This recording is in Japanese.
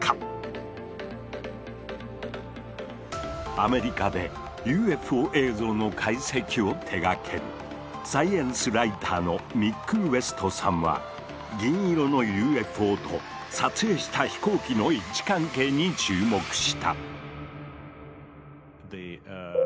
アメリカでＵＦＯ映像の解析を手がけるサイエンスライターのミック・ウエストさんは銀色のＵＦＯと撮影した飛行機の位置関係に注目した。